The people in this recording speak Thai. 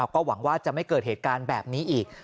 ก็หวังว่าจะไม่เกิดเหตุการณ์แบบนี้อีก